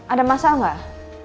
ada masalah gak